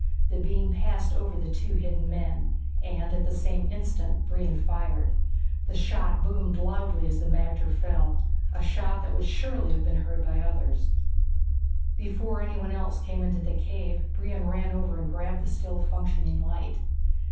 The beam passed over the two hidden men, and at the same instant Brion fired. The shot boomed loudly as the magter fell a shot that would surely have been heard by the others. Before anyone else came into the cave, Brion ran over and grabbed the still functioning light.